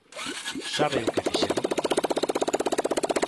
¿Sabe o que fixeron?